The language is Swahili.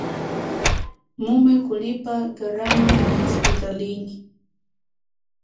Mume kulipa gharama ya hospitalini